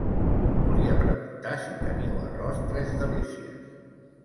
Volia preguntar si teniu arròs tres delicies?